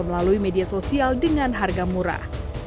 melalui media sosial dengan harga murah